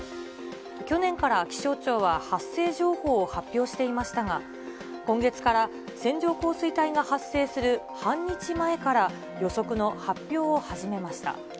去年から気象庁は発生情報を発表していましたが、今月から線状降水帯が発生する半日前から予測の発表を始めました。